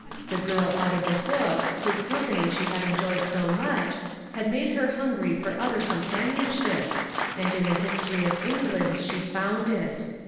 The " girl out of a book," whose company she had enjoyed so much, had made her hungry for other companionship, and in the History of England she found it.